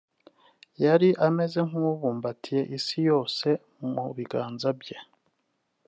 yari ameze nk’ubumbatiye isi yose mu biganza bye